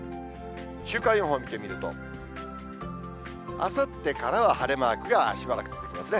週間予報見てみると、あさってからは晴れマークがしばらく続きますね。